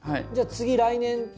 じゃあ次来年。